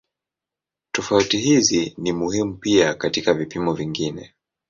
Tofauti hizi ni muhimu pia katika vipimo vingine.